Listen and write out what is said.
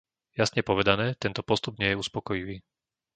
Jasne povedané, tento postup nie je uspokojivý.